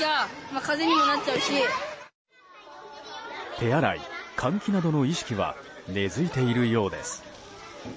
手洗い・換気などの意識は根付いているようです。